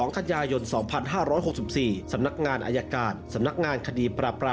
คฤตศาลของมีถ้านาศาลมันตัวที่ระปะ